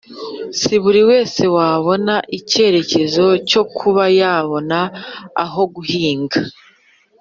si buri wese wagira icyizere cyo kuba yabona aho guhinga.